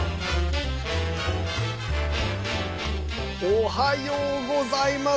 おはようございます！